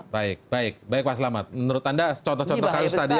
baik baik baik pak selamat menurut anda contoh contoh kasus tadi yang lain seperti apa